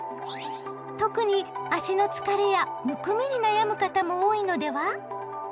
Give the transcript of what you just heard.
特に足の疲れやむくみに悩む方も多いのでは？